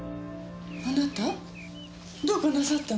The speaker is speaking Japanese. あなたどうかなさったの？